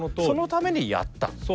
そのためにやった。